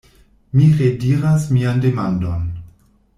Mi rediras mian demandon.